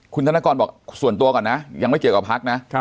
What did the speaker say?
คุณธนกรบอกส่วนตัวก่อนนะยังไม่เกี่ยวกับพักนะ